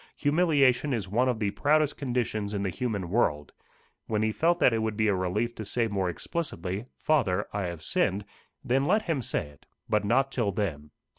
Humiliation is one of the proudest conditions in the human world. When he felt that it would be a relief to say more explicitly, "Father, I have sinned," then let him say it; but not till then.